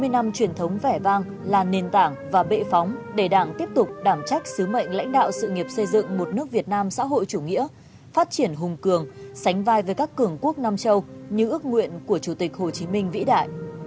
sáu mươi năm truyền thống vẻ vang là nền tảng và bệ phóng để đảng tiếp tục đảm trách sứ mệnh lãnh đạo sự nghiệp xây dựng một nước việt nam xã hội chủ nghĩa phát triển hùng cường sánh vai với các cường quốc nam châu như ước nguyện của chủ tịch hồ chí minh vĩ đại